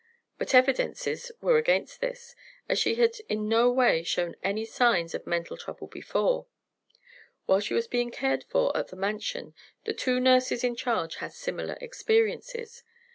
But evidences were against this, as she had in no way shown any signs of mental trouble before. While she was being cared for at the Mansion, the two nurses in charge had similar experiences.